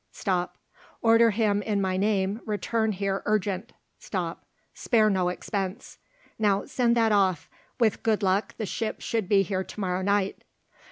Stop. Order him in my name return here urgent. Stop. Spare no expense_. Now send that off. With good luck the ships should be here to morrow night."